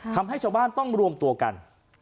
ทำให้ชาวบ้านต้องรวมตัวกัน